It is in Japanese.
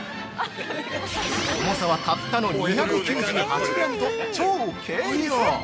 ◆重さはたったの２９８グラムと超軽量！